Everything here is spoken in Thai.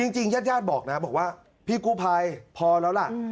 จริงยาดบอกนะพี่กู้ไผ่พอแล้วล่ะ